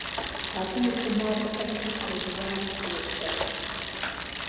Абы и хъумапӏэхэм тхылъ мелуаным щӏигъу щӏэлъщ.